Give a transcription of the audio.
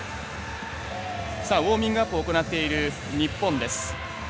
ウォーミングアップを行っている日本です。